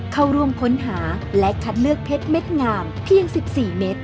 เข้าร่วมค้นหาและคัดเลือกเพชรเม็ดงามเพียง๑๔เมตร